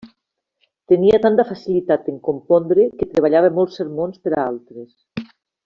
Tenia tanta facilitat en compondre que treballava molts sermons per a altres.